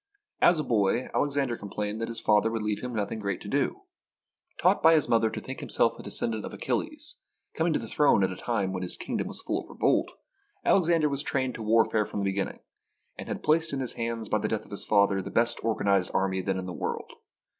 As a boy, Alexander complained that his father would leave him nothing great to do. Taught by his mother to think himself a descendant of Achilles, coming to the throne at a time when his kingdom was full of revolt, Alexander was trained to warfare from the beginning, and had placed in his hands, by the death of his father, the best organised army SIEGE OF TYRE then in the world.